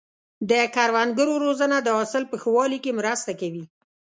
د کروندګرو روزنه د حاصل په ښه والي کې مرسته کوي.